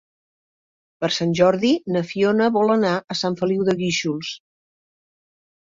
Per Sant Jordi na Fiona vol anar a Sant Feliu de Guíxols.